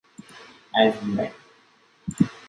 As Wu et.